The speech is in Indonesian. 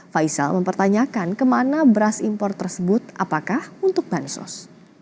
faisal mempertanyakan kemana beras impor tersebut apakah untuk bansos